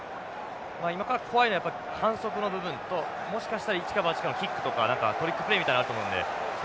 今から怖いのはやっぱり反則の部分ともしかしたら一か八かのキックとか何かトリックプレーみたいなのあると思うのでその対処ですね。